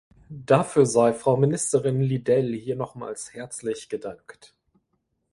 Dafür sei Frau Ministerin Liddell hier nochmals herzlich gedankt.